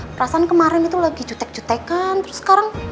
perasaan kemarin itu lagi jutek jutekan terus sekarang